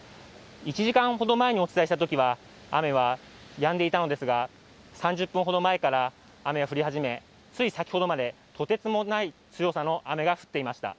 １時間ほど前にお伝えしたときは雨はやんでいたのですが、３０分ほど前から雨が降り始め、つい先ほどまでとてつもない強さの雨が降っていました。